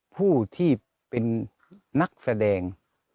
ผู้ที่เป็นนักแสดง